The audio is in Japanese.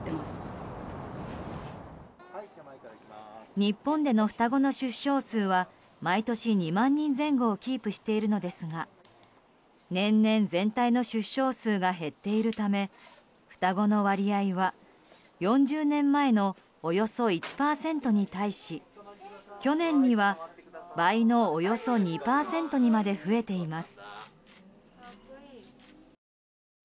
日本での双子の出生数は毎年２万人前後をキープしているのですが年々、全体の出生数が減っているため双子の割合は４０年前の、およそ１％に対し去年には倍のおよそ２％にまで増えています。